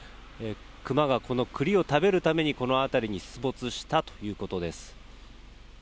クマがこの栗を食べるためにこの辺りに出没したということです。